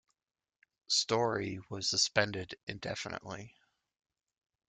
Storey was suspended indefinitely.